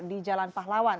di jalan pahlawan